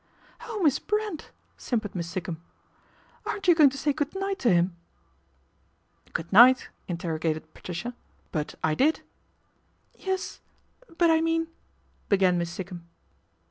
" Oh, Miss Brent !" simpered Miss Sikkum, " aren't you going to say good night to him ?"" Good night !" interrogated Patricia, " but I did/' "Yes; but I mean " began Miss Sikkum.